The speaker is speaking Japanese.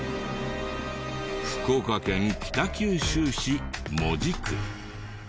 福岡県北九州市門司区。